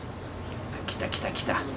来た来た来たって。